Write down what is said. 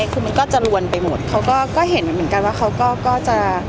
คือมันก็จะลวนไปหมดเขาก็เห็นเหมือนกันว่าเขาก็จะ